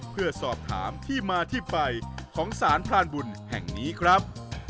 เพื่อสอบถามที่มาที่ไปของสารพรานบุญแห่งนี้ครับ